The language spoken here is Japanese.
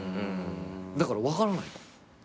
だから分からない。